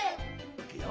いくよ！